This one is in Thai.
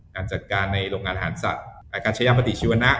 การจัดการในโรงงานอาหารสัตว์การชายปฏิชีวนะ